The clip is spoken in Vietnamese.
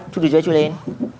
chui từ dưới chui lên